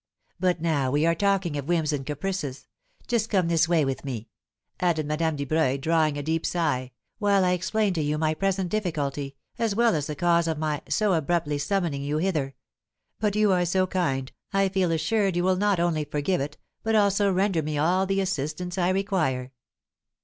But, now we are talking of whims and caprices, just come this way with me," added Madame Dubreuil, drawing a deep sigh, "while I explain to you my present difficulty, as well as the cause of my so abruptly summoning you hither; but you are so kind, I feel assured you will not only forgive it, but also render me all the assistance I require."